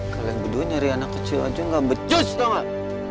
kalian berduanya riana kecil aja gak becus tau gak